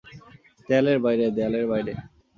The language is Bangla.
দেয়ালের বাইরে, দেয়ালের বাইরে।